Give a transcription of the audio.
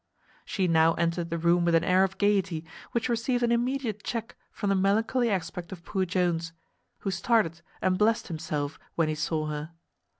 She now entered the room with an air of gaiety, which received an immediate check from the melancholy aspect of poor Jones, who started and blessed himself when he saw her.